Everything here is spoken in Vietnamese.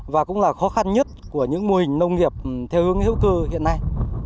và cũng là khó khăn nhất của những mô hình nông nghiệp theo hướng hữu cơ hiện nay